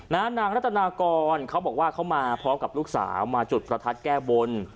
นางรัตนากรเขาบอกว่าเขามาพร้อมกับลูกสาวมาจุดประทัดแก้บน